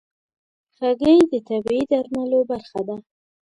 هګۍ د طبيعي درملو برخه ده.